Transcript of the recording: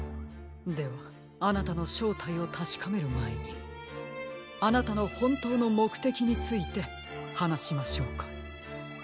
ではあなたのしょうたいをたしかめるまえにあなたのほんとうのもくてきについてはなしましょうか？